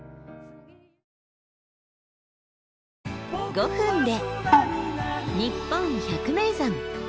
５分で「にっぽん百名山」。